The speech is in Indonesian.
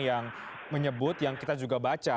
yang menyebut yang kita juga baca